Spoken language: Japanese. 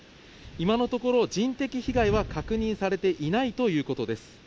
今のところ、人的被害は確認されていないということです。